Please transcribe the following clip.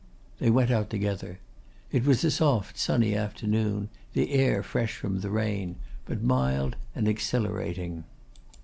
They went out together. It was a soft sunny afternoon; the air fresh from the rain, but mild and exhilarating.